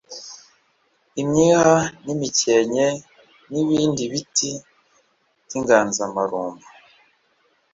imyiha n’imikenke n’ibindi biti by’inganzamarumbu